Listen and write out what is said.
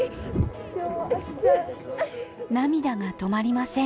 涙が止まりません。